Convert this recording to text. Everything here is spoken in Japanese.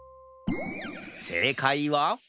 せいかいは？